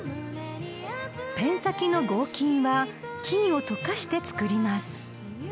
［ペン先の合金は金を溶かして作ります］